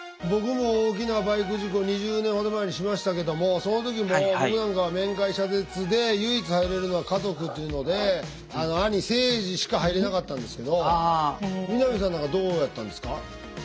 僕も大きなバイク事故２０年ほど前にしましたけどもその時も僕なんかは面会謝絶で唯一入れるのは家族というので兄せいじしか入れなかったんですけど南さんなんかどうやったんですか？